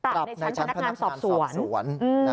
ในชั้นพนักงานสอบสวน